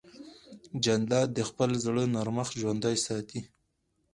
جانداد د خپل زړه نرمښت ژوندی ساتي.